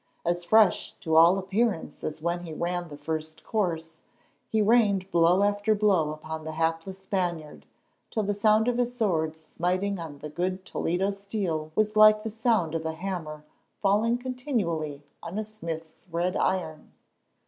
As fresh to all appearance as when he ran the first course, he rained blow after blow upon the hapless Spaniard, till the sound of his sword smiting on the good Toledo steel was like the sound of a hammer falling continually on the smith's red iron.